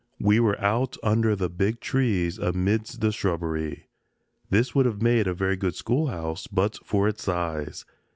We were out under the big trees amidst the shrubbery. This would have made a very good schoolhouse but for its size.